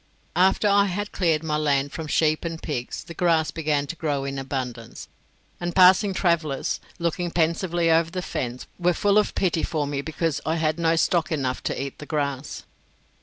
After I had cleared my land from sheep and pigs, the grass began to grow in abundance; and passing travellers, looking pensively over the fence, were full of pity for me because I had not stock enough to eat the grass.